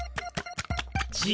じ。